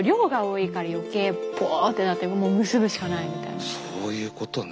だからそういうことね。